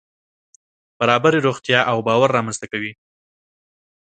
برابري روغتیا او باور رامنځته کوي.